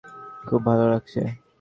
খুব ভালো লাগছে।